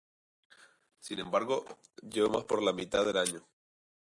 Sin embargo, llueve por más de la mitad del año.